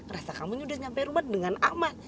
rasa kamu udah nyampe rumah dengan aman